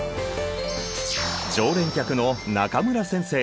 常連客の中村先生。